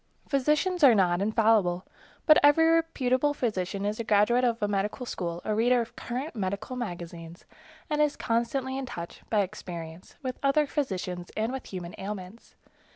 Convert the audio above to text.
Physicians are not infallible, but every reputable physician is a graduate of a medical school, a reader of current medical magazines, and is constantly in touch, by experience, with other physicians and with human ailments.